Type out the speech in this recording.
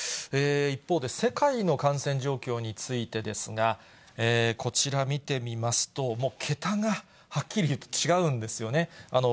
一方で、世界の感染状況についてですが、こちら見てみますと、もう桁が、はっきり言って違うんですよね。